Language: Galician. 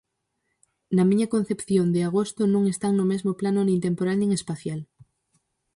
Na miña concepción de 'Agosto' non están no mesmo plano nin temporal nin espacial.